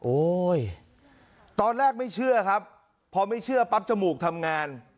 ตอนแรกไม่เชื่อครับพอไม่เชื่อปั๊บจมูกทำงาน